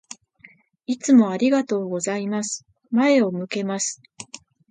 いつもありがとうございます。前を向けます。